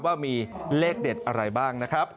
ว่ามีเลขเด็ดอะไรบ้างนะครับ